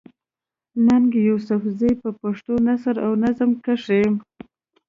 ننګ يوسفزۍ په پښتو نثر او نظم کښې